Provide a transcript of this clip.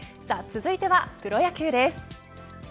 さあ、続いてはプロ野球です。